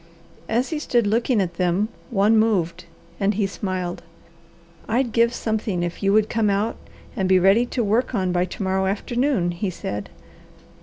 As he stood looking at them one moved and he smiled. "I'd give something if you would come out and be ready to work on by to morrow afternoon," he said.